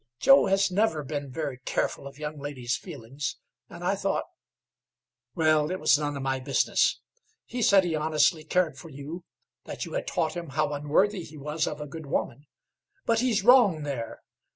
Joe has never been very careful of young ladies' feelings, and I thought well, it was none of my business. He said he honestly cared for you, that you had taught him how unworthy he was of a good woman. But he's wrong there.